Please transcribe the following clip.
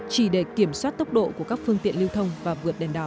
chỉ để kiểm soát tốc độ của các phương tiện lưu thông và vượt đèn đỏ